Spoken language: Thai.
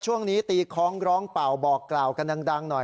ช่วงนี้ตรียยยคล้องร้องเป่าบอกกล่าวกันดังหน่อย